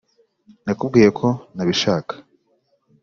nakubwiye ko ntabishaka.